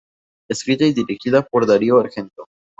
Escrita y dirigida por Dario Argento.